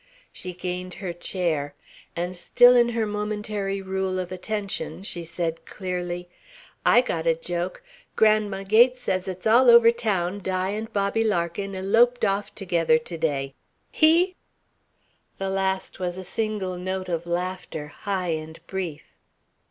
She gained her chair. And still in her momentary rule of attention, she said clearly: "I got a joke. Grandma Gates says it's all over town Di and Bobby Larkin eloped off together to day. He!" The last was a single note of laughter, high and brief.